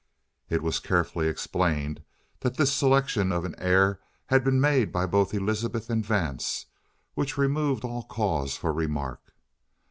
It was carefully explained that this selection of an heir had been made by both Elizabeth and Vance, which removed all cause for remark.